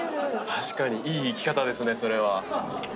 確かにいい生き方ですねそれは。